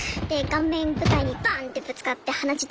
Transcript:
顔面舞台にバンッてぶつかって鼻血